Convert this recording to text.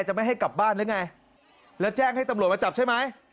ไม่ให้กลับบ้านหรือไงแล้วแจ้งให้ตำรวจมาจับใช่ไหม